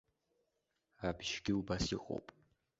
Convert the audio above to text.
Абжьгьы убас иҟоуп.